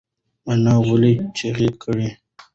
انا ولې چیغه کړه؟